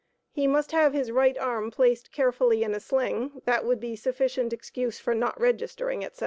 He must have his right arm placed carefully in a sling; that would be a sufficient excuse for not registering, etc.